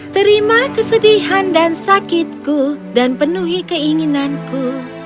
terima kesedihan dan sakitku dan penuhi keinginanku